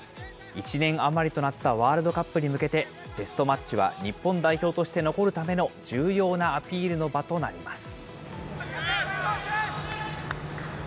１年余りとなったワールドカップに向けて、テストマッチは日本代表として残るための重要なアピールの場となります。